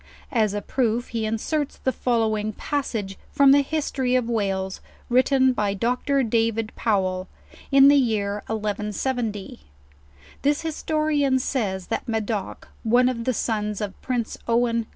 As a proof, he inserts the following pas sage from the history of Wales, written by Dr. Da, vid Pow~ el, in the year 1 170: This historian says, that Madoc, one of the sons of Prince Owen.